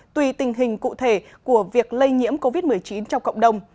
tùy tình hình cụ thể của việc lây nhiễm covid một mươi chín trong cộng đồng